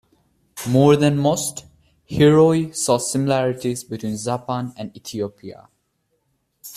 More than most, Heruy saw similarities between Japan and Ethiopia.